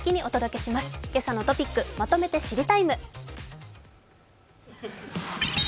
「けさのトピックまとめて知りＴＩＭＥ，」